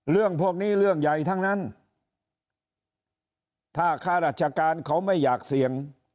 เรื่องพวกนี้เรื่องใหญ่ทั้งนั้นถ้าข้าราชการเขาไม่อยากเสี่ยง